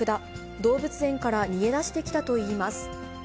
動物園から逃げ出してきたといいます。